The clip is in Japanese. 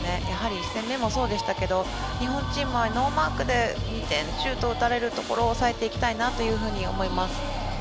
１戦目もそうでしたけど日本人もノーマークで２点シュートを打たれるところを抑えていきたいなと思います。